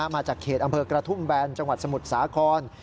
มาจากเขตอำเภอกระทุ่มแบนจังหวัดสมุทรสาคร